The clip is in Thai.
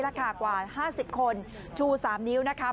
กว่า๕๐คนชู๓นิ้วนะคะ